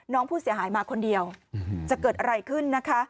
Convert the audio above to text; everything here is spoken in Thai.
น้องผู้เสียหายมาคนเดียวจะเกิดอะไรขึ้นนะคะ